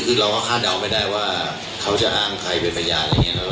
คือเราก็คาดเดาไม่ได้ว่าเขาจะอ้างใครเป็นพยานอะไรอย่างนี้